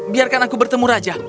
biarkan aku bertemu raja